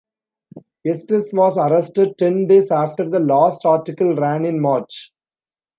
Estes was arrested ten days after the last article ran in March.